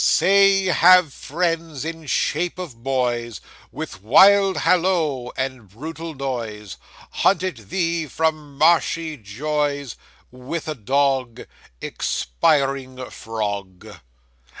'"Say, have fiends in shape of boys, With wild halloo, and brutal noise, Hunted thee from marshy joys, With a dog, Expiring frog!"